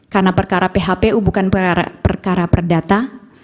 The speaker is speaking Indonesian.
karena perkara phpu bukan perkara perdata